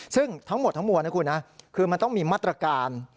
ซึ่งทั้งหมดทั้งมวลนะคุณนะคือมันต้องมีมาตรการ